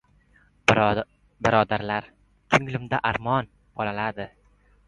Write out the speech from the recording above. Birodarlar, ko‘nglimda armon bolaladi!